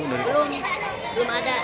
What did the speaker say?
belum belum ada